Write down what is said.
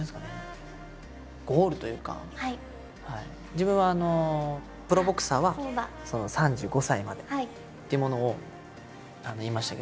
自分はプロボクサーは３５歳までっていうものを言いましたけ